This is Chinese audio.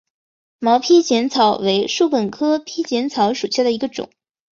毛披碱草为禾本科披碱草属下的一个种。